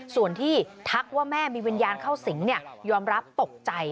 ส่วนที่ทักว่าแม่มีวิญญาณเข้าสิงยอมรับตกใจ